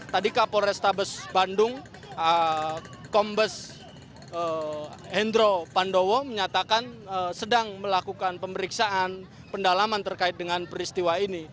tadi kapol restabes bandung kombes hendro pandowo menyatakan sedang melakukan pemeriksaan pendalaman terkait dengan peristiwa ini